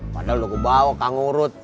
padahal lo ke bawah kak ngurut